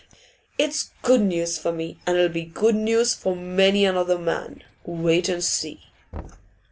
It's good news for me, and it'll be good news for many another man. Wait and see.